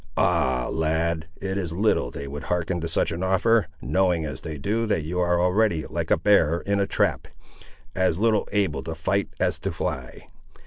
"Ah! lad, it is little they would hearken to such an offer, knowing, as they do, that you are already like a bear in a trap, as little able to fight as to fly.